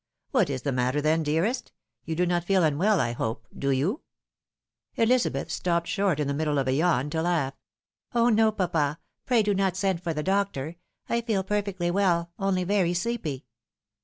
" What is the matter then, dearest ? You do not feel un well, I hope. Do you ?" EUzabeth stopped short in the middle of a yawn to laugh. " Oh ! no, papa ! Pray do not send for the doctor ! I feel perfectly .well, only very sleepy."